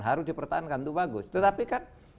harus dipertahankan itu bagus tetapi kan